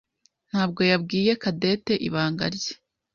ntabwo yabwiye Cadette ibanga rye.